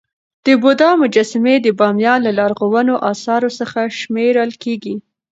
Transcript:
د بودا مجسمي د بامیان له لرغونو اثارو څخه شمېرل کيږي.